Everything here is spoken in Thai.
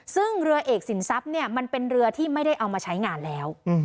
ซึ่งเรือเอกสินทรัพย์เนี่ยมันเป็นเรือที่ไม่ได้เอามาใช้งานแล้ว